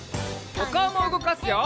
おかおもうごかすよ。